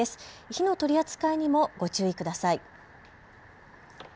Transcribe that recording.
火の取り扱いにもご注意ください。